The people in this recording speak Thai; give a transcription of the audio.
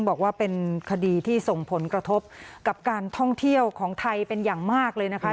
บอกว่าเป็นคดีที่ส่งผลกระทบกับการท่องเที่ยวของไทยเป็นอย่างมากเลยนะคะ